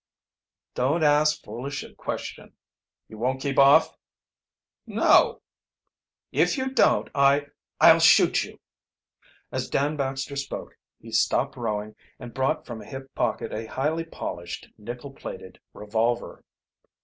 "Don't ask foolish a question." "You won't keep off?" "No." "If you don't I I'll shoot you." As Dan Baxter spoke he stopped rowing and brought from a hip pocket a highly polished nickel plated revolver.